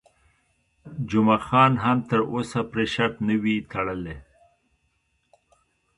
جمعه خان هم تر اوسه پرې شرط نه وي تړلی.